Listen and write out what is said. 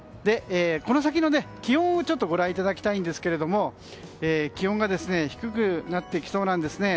この先の気温をご覧いただきたいんですが気温が低くなってきそうなんです。